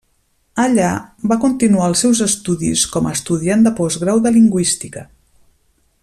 Allà va continuar els seus estudis com a estudiant de postgrau de lingüística.